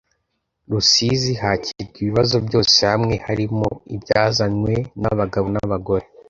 rusizi hakirwa ibibazo byose hamwe, harimo ibyazanywe n abagabo na abagore